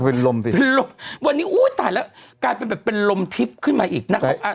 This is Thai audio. เป็นลมสิเป็นลมวันนี้อุ้ยตายแล้วกลายเป็นแบบเป็นลมทิพย์ขึ้นมาอีกนะครับ